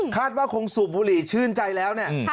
ว่าคงสูบบุหรี่ชื่นใจแล้วเนี่ย